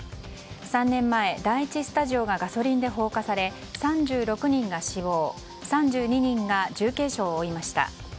３年前、第１スタジオがガソリンで放火され３６人が死亡３２人が重軽傷を負いました。